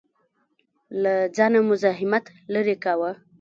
له ځانه مزاحمت لرې کاوه.